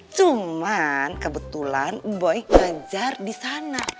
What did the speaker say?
cuman kebetulan boy ngajar disana